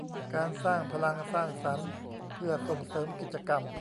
การสร้างพลังสร้างสรรค์เพื่อส่งเสริมกิจกรรม